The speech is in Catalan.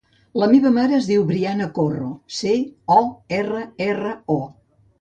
La meva mare es diu Brianna Corro: ce, o, erra, erra, o.